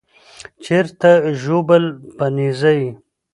چیرته ژوبل په نېزه یې